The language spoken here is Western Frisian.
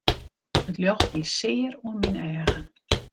It ljocht die sear oan myn eagen.